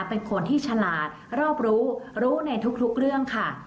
เป็นคนที่ฉลาดรอบรู้รู้ในทุกเรื่องค่ะ